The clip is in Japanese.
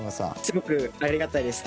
すごくありがたいです。